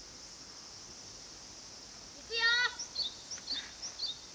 いくよ！